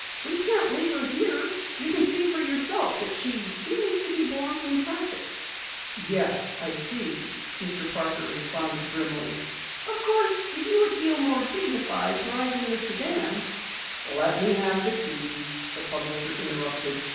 "We can't leave her here. You can see for yourself that she seems to be blocking traffic." "Yes, I see," Mr. Parker responded grimly. "Of course, if you would feel more dignified driving the sedan " "Let me have the keys," the publisher interrupted.